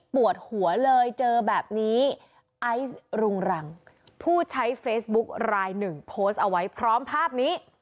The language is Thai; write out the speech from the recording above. ปวดหัวเลยเจอแบบนี้ไอซ์รุงรังผู้ใช้เฟซบุ๊กรายหนึ่งโพสต์เอาไว้พร้อมภาพนี้